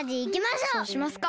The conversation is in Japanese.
そうしますか。